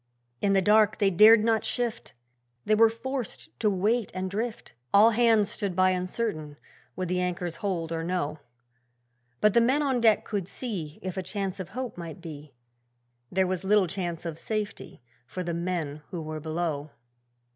In the dark they dared not shift! They were forced to wait and drift; All hands stood by uncertain would the anchors hold or no. But the men on deck could see If a chance of hope might be There was little chance of safety for the men who were below.